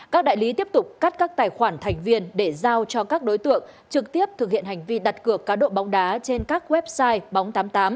các đại lý tiếp tục cắt các tài khoản thành viên để giao cho các đối tượng trực tiếp thực hiện hành vi đặt cược cá độ bóng đá trên các website bóng tám mươi tám